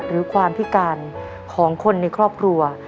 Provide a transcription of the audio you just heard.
หรือความพิการของคนในครอบครัว